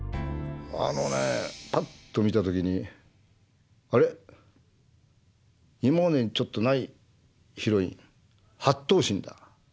あのねパッと見た時に「あれ？今までにちょっとないヒロイン８等身だ。